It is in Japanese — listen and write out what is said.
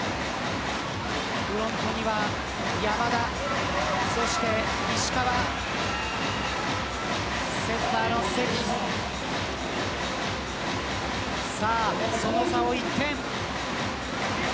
フロントには山田そして石川セッターの関その差は１点。